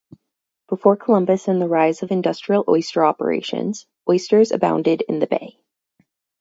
Before Columbus and the rise of industrial oyster operations, oysters abounded in the bay.